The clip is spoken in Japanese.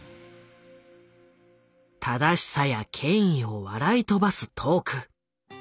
正しさや権威を笑い飛ばすトーク。